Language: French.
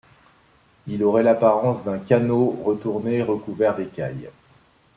Il aurait l'apparence d'un canot retourné recouvert d'écailles.